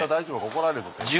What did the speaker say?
怒られるぞ先輩に。